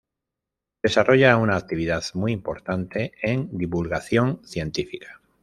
Desarrolla una actividad muy importante en Divulgación Científica.